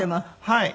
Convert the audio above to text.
はい。